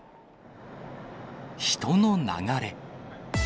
人の流れ。